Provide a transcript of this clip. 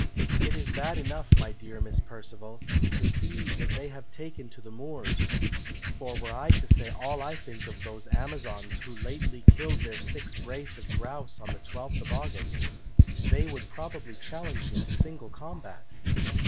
It is bad enough, my dear Miss Perceval, to see that they have taken to the moors; for were I to say all I think of those amazons who lately killed their six brace of grouse on the 12th of August, they would probably challenge me to single combat.